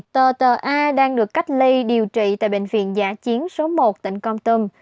tờ tờ a đang được cách ly điều trị tại bệnh viện giả chiến số một tỉnh công tùng